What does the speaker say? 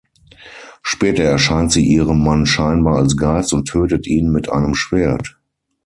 Später erscheint sie ihrem Mann scheinbar als Geist und tötet ihn mit einem Schwert.